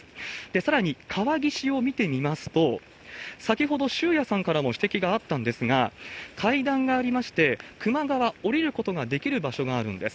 さらに、川岸を見てみますと、先ほど修也さんからも指摘があったんですが、階段がありまして、球磨川、降りることができる場所があるんです。